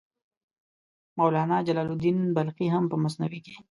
مولانا جلال الدین بلخي هم په مثنوي کې.